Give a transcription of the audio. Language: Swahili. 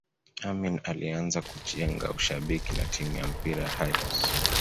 Amin alianza kujenga ushabiki na timu ya mpira ya Hayes